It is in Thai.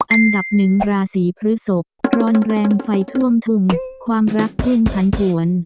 อันดับหนึ่งราศีพฤศพร้อนแรงไฟท่วมทุ่งความรักพุ่งผันผวน